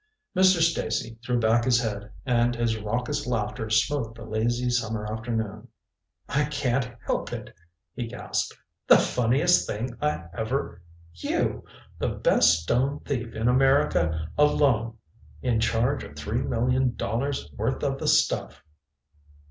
Mr. Stacy threw back his head, and his raucous laughter smote the lazy summer afternoon. "I can't help it," he gasped. "The funniest thing I ever you the best stone thief in America alone in charge of three million dollars' worth of the stuff!"